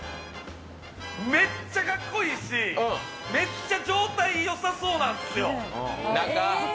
めっちゃかっこいいし、めっちゃ状態よさそうなんですよ。